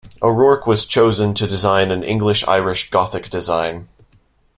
O'Rourke was chosen to design an English-Irish gothic design.